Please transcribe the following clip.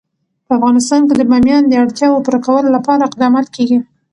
په افغانستان کې د بامیان د اړتیاوو پوره کولو لپاره اقدامات کېږي.